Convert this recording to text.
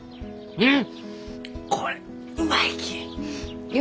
うん！